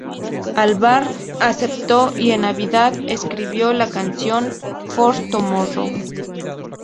Albarn aceptó, y en Navidad escribió la canción "For Tomorrow".